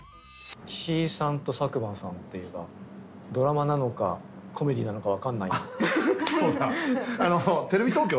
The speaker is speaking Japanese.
岸井さんと佐久間さんっていえばドラマなのかコメディなのか分かんない。